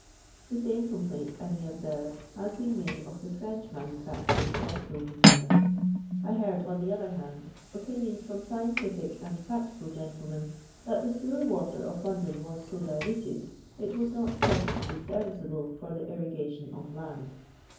The same complaint, I may obsoTVo, has been made of the French mnnufac turi'd ccHppool manun*. I heard, on the oih«'r hiiiui, fi]);iiions from scii ntific and practical genllc' nu n. that the sewrr watrr of London was so diluted, it was not prohtably serviceable for the irrigiiiion of land.